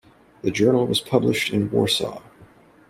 The journal was published in Warsaw.